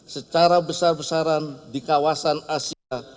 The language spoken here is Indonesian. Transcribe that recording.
secara besar besaran di kawasan asia